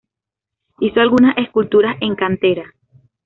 Hizo algunas esculturas en cantera.